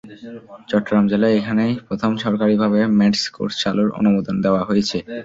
চট্টগ্রাম জেলায় এখানেই প্রথম সরকারিভাবে ম্যাটস কোর্স চালুর অনুমোদন দেওয়া হয়েছে।